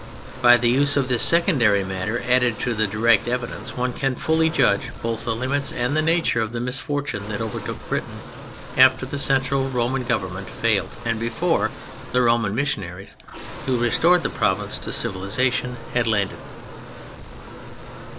By the use of this secondary matter added to the direct evidence one can fully judge both the limits and the nature of the misfortune that overtook Britain after the central Roman government failed and before the Roman missionaries, who restored the province to civilization, had landed.